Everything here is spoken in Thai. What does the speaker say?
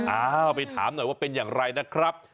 อ้าวไปถามหน่อยว่าเป็นอย่างไรนะครับ